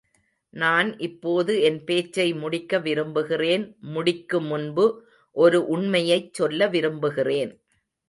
நான் இப்போது என் பேச்சை முடிக்க விரும்புகிறேன் முடிக்கு முன்பு ஒரு உண்மையச் சொல்ல விரும்புகிறேன்.